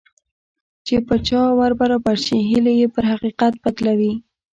چې په چا ور برابر شي هيلې يې پر حقيقت بدلوي.